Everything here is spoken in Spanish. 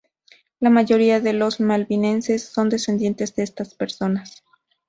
La mayoría de los malvinenses son descendientes de estas personas.